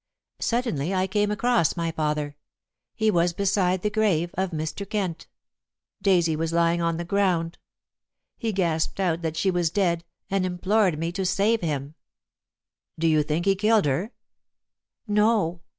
Suddenly I came across my father. He was beside the grave of Mr. Kent. Daisy was lying on the ground. He gasped out that she was dead, and implored me to save him." "Do you think he killed her?" "No.